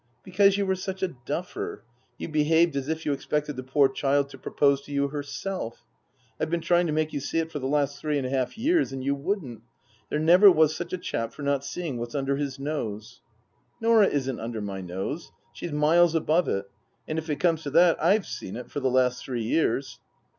" Because you were such a duffer. You behaved as if you expected the poor child to propose to you herself. I've been trying to make you see it for the last three and a half years, and you wouldn't. There never was such a chap for not seeing what's under his nose." " Norah isn't under my nose ; she's miles above it, and if it comes to that, I've seen it for the last three years."